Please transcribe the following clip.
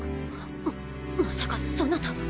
まさかそなた。